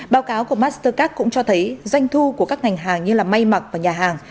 báo cáo của mastercard cũng cho thấy doanh thu của các ngành hàng như may mặc và nhà hàng